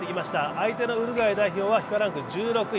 相手のウルグアイはＦＩＦＡランク１６位。